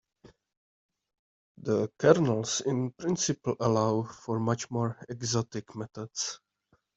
The kernels in principle allow for much more exotic methods.